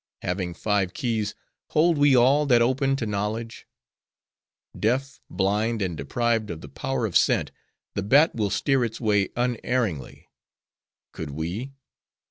Having five keys, hold we all that open to knowledge? Deaf, blind, and deprived of the power of scent, the bat will steer its way unerringly:—could we?